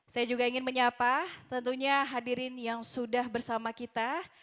saya juga ingin menyapa tentunya hadirin yang sudah bersama kita